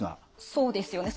そうですよね。